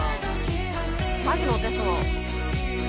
「マジモテそう」